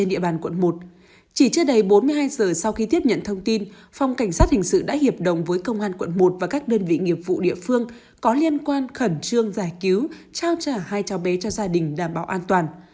chỉ chưa đầy bốn mươi hai giờ sau khi tiếp nhận thông tin phòng cảnh sát hình sự đã hiệp đồng với công an quận một và các đơn vị nghiệp vụ địa phương có liên quan khẩn trương giải cứu trao trả hai cháu bé cho gia đình đảm bảo an toàn